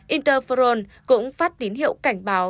interferon cũng phát tín hiệu cảnh báo